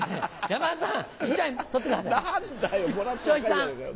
山田さん